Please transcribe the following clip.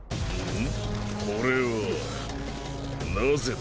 ん？